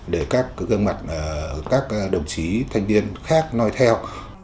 để các đồng chí thanh niên khác nói theo